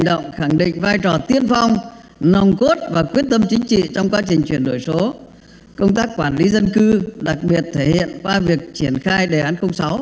công an tiên phong nồng cốt và quyết tâm chính trị trong quá trình chuyển đổi số công tác quản lý dân cư đặc biệt thể hiện qua việc triển khai đề án sáu